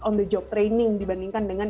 on the job training dibandingkan dengan